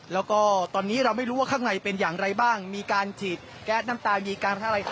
แล้วก็ตอนนี้เราไม่รู้ว่าข้างในเป็นอย่างไรบ้างมีการฉีดแก๊สน้ำตามีการพัฒนาอะไร